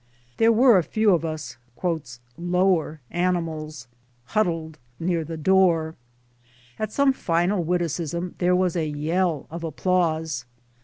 There were a few of us " lower animals " huddled near the door. At some final witticism there was a yell of applause.